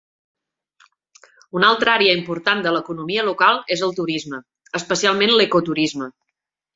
Una altra àrea important de l'economia local és el turisme, especialment l'ecoturisme.